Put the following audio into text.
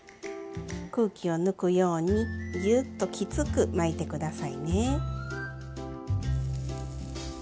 空気を抜くようにギューッときつく巻いて下さいね。